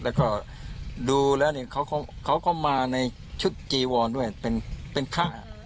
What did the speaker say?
แล้วก็ดูแล้วเขาก็มาในชุดจีวรด้วยเป็นพระ